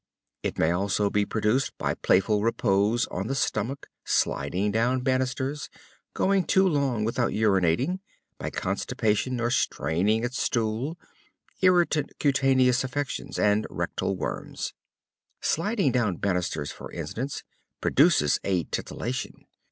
It may also be produced by playful repose on the stomach, sliding down banisters, going too long without urinating, by constipation or straining at stool, irritant cutaneous affections, and rectal worms. Sliding down banisters, for instance, produces a titillation.